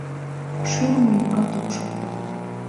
Шӱлымӧ йӱкат ок шокто.